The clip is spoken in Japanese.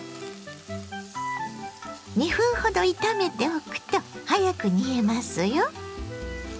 ２分ほど炒めておくと早く煮えますよ。